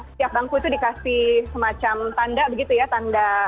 setiap bangku itu dikasih semacam tanda begitu ya tanda